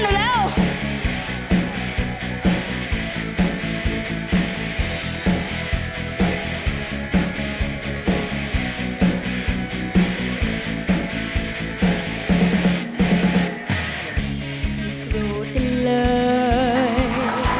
โคตรกันเลย